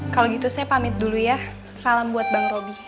kalau gitu saya pamit dulu ya salam buat bang roby